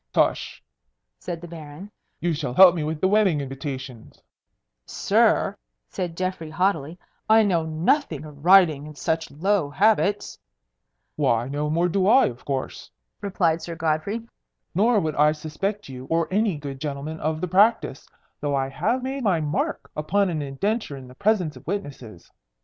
"Tush!" said the Baron. "You shall help me with the wedding invitations." [Illustration: Sir Francis decideth to go down agayne] "Sir!" said Geoffrey haughtily, "I know nothing of writing and such low habits." "Why no more do I, of course," replied Sir Godfrey; "nor would I suspect you or any good gentleman of the practice, though I have made my mark upon an indenture in the presence of witnesses."